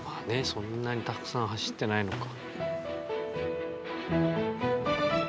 そんなにたくさん走ってないのか。